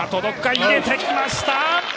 入れてきました！